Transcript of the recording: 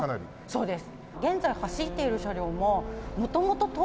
そうです。